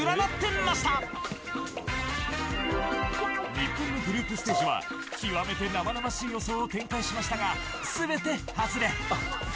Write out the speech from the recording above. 日本のグループステージはきわめて生々しい予想を展開しましたが全て外れ。